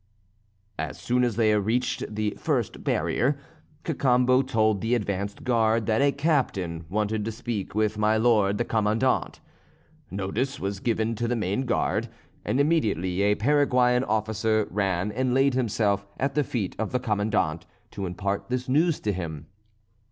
As soon as they reached the first barrier, Cacambo told the advanced guard that a captain wanted to speak with my lord the Commandant. Notice was given to the main guard, and immediately a Paraguayan officer ran and laid himself at the feet of the Commandant, to impart this news to him.